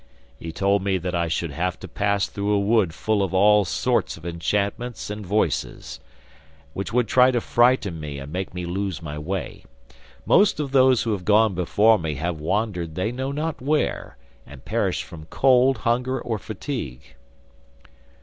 'He told me that I should have to pass through a wood full of all sorts of enchantments and voices, which would try to frighten me and make me lose my way. Most of those who have gone before me have wandered they know not where, and perished from cold, hunger, or fatigue.